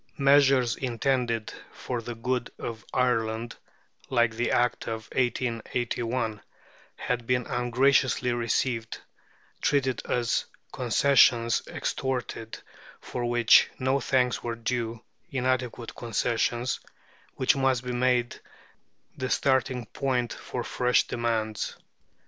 Measures intended for the good of Ireland, like the Land Act of 1881, had been ungraciously received, treated as concessions extorted, for which no thanks were due inadequate concessions, which must be made the starting point for fresh demands.